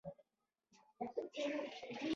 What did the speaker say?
تر هغو یې اعتصاب ته دوام ورکاوه